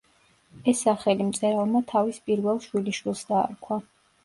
ეს სახელი მწერალმა თავის პირველ შვილიშვილს დაარქვა.